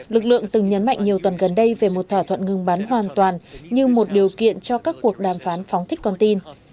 lực lượng từng nhấn mạnh nhiều tuần gần đây về một thỏa thuận ngừng bắn hoàn toàn như một điều kiện cho các cuộc đàm phán phóng thích con tin